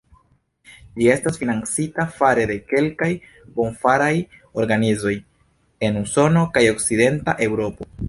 Ĝi estas financita fare de kelkaj bonfaraj organizoj en Usono kaj Okcidenta Eŭropo.